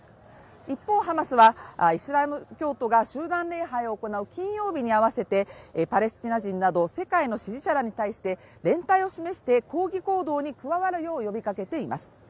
一方、ハマスはイスラム教徒が集団礼拝を行う金曜日に合わせて、パレスチナ人など世界の支持者らに対して、連帯を示して抗議行動に加わるよう呼びかけています。